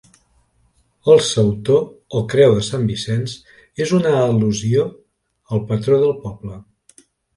El sautor o creu de Sant Vicenç és una al·lusió al patró del poble.